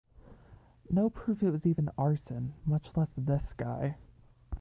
No proof it was even arson much less this guy.